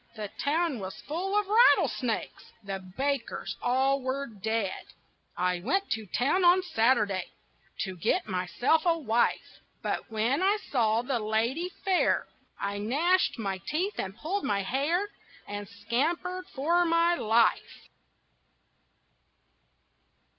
The town was full of rattlesnakes The bakers all were dead. I went to town on Saturday To get myself a wife, But when I saw the lady fair I gnashed my teeth and pulled my hair And scampered for my life.